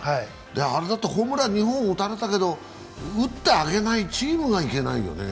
あれだってホームラン２本打たれたけど、打ってあげないチームがいけないよね。